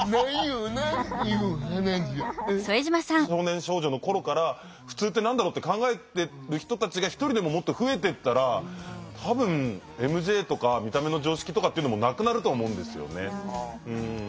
少年少女の頃から普通って何だろうって考えてる人たちが一人でももっと増えてったら多分ＭＪとか見た目の常識とかっていうのもなくなると思うんですよね。